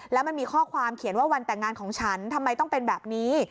แล้วมันมีข้อความเขียนว่าวันแต่งงานของฉันทำไมต้องเป็นแบบนี้